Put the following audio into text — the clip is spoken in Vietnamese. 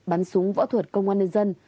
bắn súng võ thuật công an nhân dân